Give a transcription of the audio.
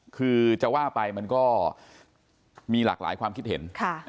คือจะว่าไปมันก็มีหลากหลายความคิดเห็น